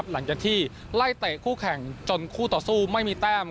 ไล่เตะคู่แข่งจนคู่ต่อสู้ไม่มีแต้ม